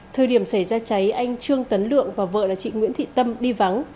thời điểm xảy ra cháy anh trương tấn lượng và vợ là chị nguyễn thị tâm đi vắng